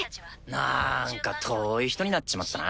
なんか遠い人になっちまったな。